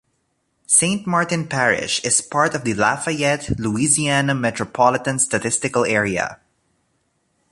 Saint Martin Parish is part of the Lafayette, Louisiana Metropolitan Statistical Area.